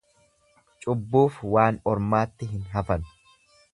Cubbuuf waan ormaatti hin hafan.